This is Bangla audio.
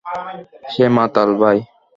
সে মাতাল, ভাই।